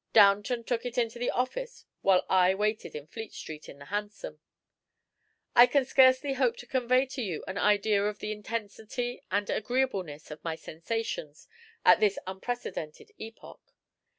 Downton took it into the office while I waited in Fleet Street in the hansom. I can scarcely hope to convey to you an idea of the intensity and agreeableness of my sensations at this unprecedented epoch.